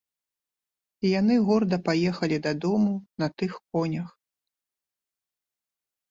І яны горда паехалі дадому на тых конях.